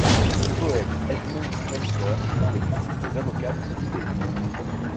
Le poète Edmund Spenser fut un des principaux avocats de cette idée.